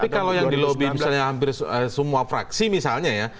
kalau yang dilobby misalnya hampir semua fraksi misalnya ya